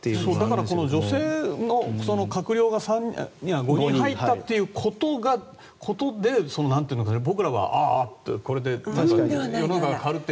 だから、女性の閣僚が５人、入ったということで僕らは、これで世の中が変わるって。